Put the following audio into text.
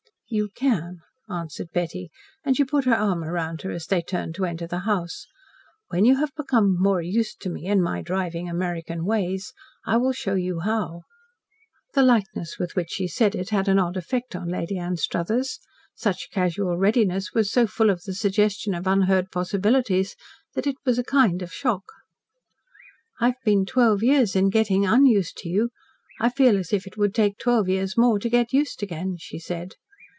"You can," answered Betty, and she put her arm round her as they turned to enter the house. "When you have become more used to me and my driving American ways I will show you how." The lightness with which she said it had an odd effect on Lady Anstruthers. Such casual readiness was so full of the suggestion of unheard of possibilities that it was a kind of shock. "I have been twelve years in getting un used to you I feel as if it would take twelve years more to get used again," she said.